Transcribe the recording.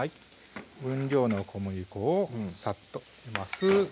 分量の小麦粉をさっと入れます